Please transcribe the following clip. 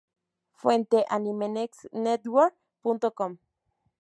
Fuente: "Animenewsnetwork.com"